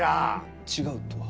違うとは？